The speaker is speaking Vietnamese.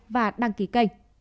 và đăng ký kênh